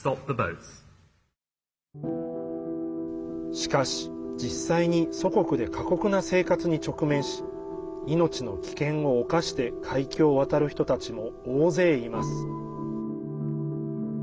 しかし、実際に祖国で過酷な生活に直面し命の危険を冒して海峡を渡る人たちも大勢います。